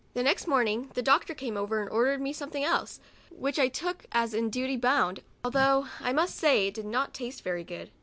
The next morning the doctor came and ordered me .something else, which I took, as in duty bound, although I must say it did not taste very good.